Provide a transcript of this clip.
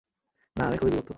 না, আমি খুবই বিরক্ত।